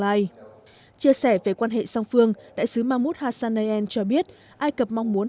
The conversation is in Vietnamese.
lai chia sẻ về quan hệ song phương đại sứ mahmoud hassanein cho biết ai cập mong muốn